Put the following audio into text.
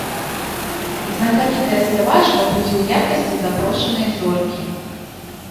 Знакамітая спявачка будзе ў якасці запрошанай зоркі.